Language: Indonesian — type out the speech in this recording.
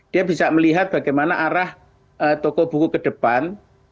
dia bisa melihat bagaimana arah toko buku ke depan